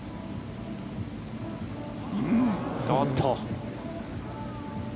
おおっと。